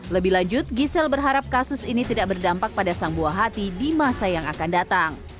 lebih lanjut giselle berharap kasus ini tidak berdampak pada sang buah hati di masa yang akan datang